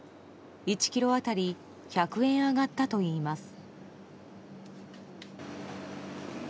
１ｋｇ当たり１００円上がったといいます。